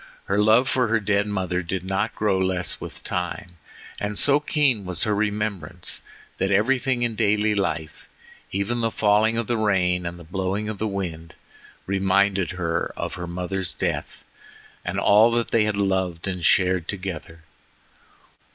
Her love for her dead mother did not grow less with time, and so keen was her remembrance, that everything in daily life, even the falling of the rain and the blowing of the wind, reminded her of her mother's death and of all that they had loved and shared together.